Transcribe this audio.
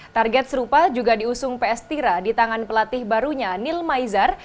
target serupa juga diusung ps tira di tangan pelatih barunya nil maizar